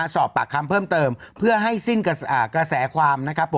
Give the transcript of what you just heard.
สอบปากคำเพิ่มเติมเพื่อให้สิ้นกระแสความนะครับ